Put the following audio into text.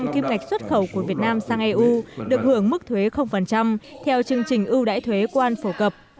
kim ngạch xuất khẩu của việt nam sang eu được hưởng mức thuế theo chương trình ưu đãi thuế quan phổ cập